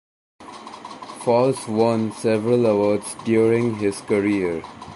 Falls won several awards during his career.